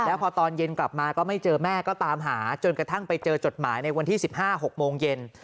แล้วพอตอนเย็นกลับมาก็ไม่เจอแม่ก็ตามหาจนกระทั่งไปเจอจดหมายในวันที่๑๕๖โมงเย็น